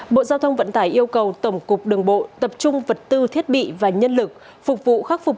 bộ giao thông vận tải yêu cầu tổng cục đường bộ tập trung vật tư thiết bị và nhân lực phục vụ khắc phục